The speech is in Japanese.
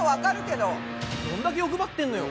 どんだけ欲張ってんのよ。